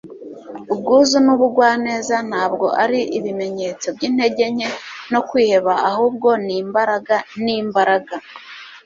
ubwuzu n'ubugwaneza ntabwo ari ibimenyetso by'intege nke no kwiheba, ahubwo ni imbaraga n'imbaraga